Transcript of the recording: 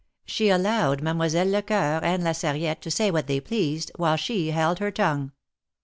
She allowed Mademoiselle Lecoeur and La Sarri ette to say what they pleased, while she held her tongue.